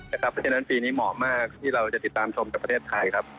เพราะฉะนั้นปีนี้เหมาะมากที่เราจะติดตามชมจากประเทศไทยครับ